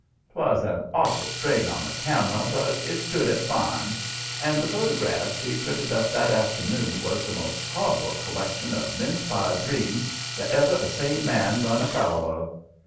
'Twas an awful strain on the camera, but it stood it fine; and the photographs he printed up that afternoon was the most horrible collection of mince pie dreams that ever a sane man run afoul of.